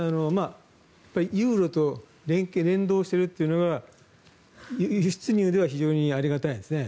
ユーロと連動しているというのが輸出入では非常にありがたいんですね